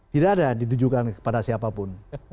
tidak ada ditujukan kepada siapapun